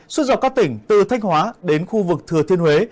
suốt dọc các tỉnh từ thanh hóa đến khu vực thừa thiên huế